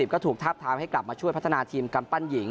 ก็ถูกทับทามให้กลับมาช่วยพัฒนาทีมกำปั้นหญิง